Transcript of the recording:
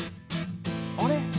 「あれ？」